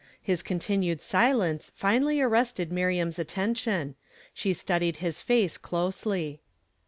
His continued silence finally arrested Miriam's atten tion ; she studied his face closely.